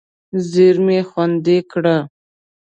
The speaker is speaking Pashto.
زېرمې خوندي کړه.